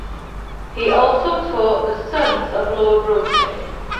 He also taught the sons of Lord Rosse.